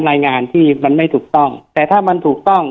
รายงานที่มันไม่ถูกต้องแต่ถ้ามันถูกต้อง